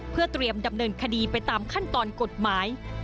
เพื่อเตรียมดำเนินคดีไปตามขั้นตอนกฎหมาย